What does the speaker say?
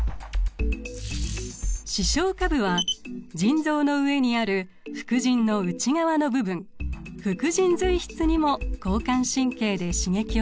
視床下部は腎臓の上にある副腎の内側の部分副腎髄質にも交感神経で刺激を伝えます。